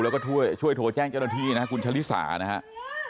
แล้วก็ช่วยโทรแจ้งเจ้าหน้าที่นะครับคุณชะลิสานะครับ